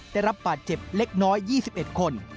ได้รับบาดเจ็บเล็กน้อย๒๑คน